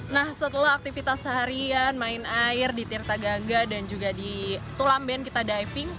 nah setelah aktivitas seharian main air di tirta gaga dan juga di tulamben kita diving